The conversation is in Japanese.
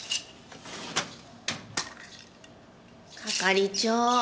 係長。